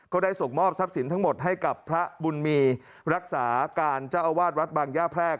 ก็ได้ส่งมอบทรัพย์สินทั้งหมดให้กับพระบุญมีรักษาการเจ้าอาวาสวัดบางย่าแพรก